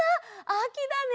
あきだね！